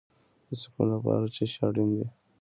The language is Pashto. د سکون لپاره څه شی اړین دی؟